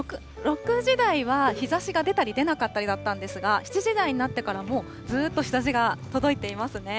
６時台は日ざしが出たり出なかったりだったんですが、７時台になってから、もうずっと日ざしが届いていますね。